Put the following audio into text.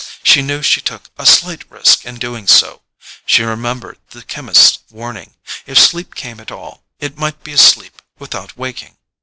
She knew she took a slight risk in doing so—she remembered the chemist's warning. If sleep came at all, it might be a sleep without waking.